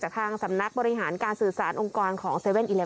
ทางสำนักบริหารการสื่อสารองค์กรของ๗๑๑